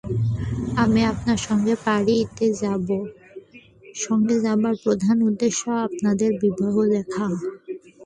আমি আপনার সঙ্গে পারি-তে যাব, সঙ্গে যাবার প্রধান উদ্দেশ্য আপনাদের বিবাহ দেখা।